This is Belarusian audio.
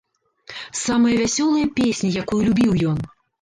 Самая вясёлая песня, якую любіў ён.